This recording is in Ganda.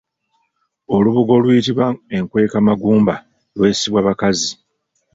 Olubugo oluyitibwa enkwekamagumba lwesibwa bakazi